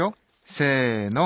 せの。